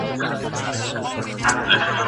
تاسي په خپل ژوند کي د کومې مېړانې نښه لیدلې ده؟